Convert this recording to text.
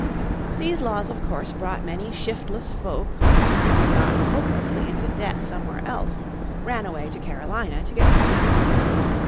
These laws of course brought many shiftless folk who, having got hopelessly into debt somewhere else, ran away to Carolina to get free of it.